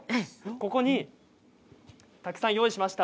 ここにたくさん用意しました。